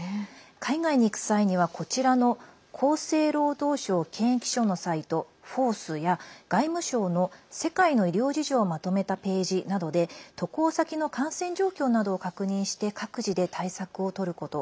海外に行く際には、こちらの厚生労働省検疫所のサイトＦＯＲＴＨや外務省の世界の医療事情をまとめたページなどで渡航先の感染状況などを確認して各自で対策をとること。